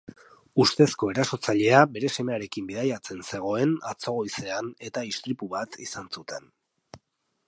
Ustezko erasotzailea bere semearekin bidaiatzen zegoen atzo goizean eta istripu bat izan zuten.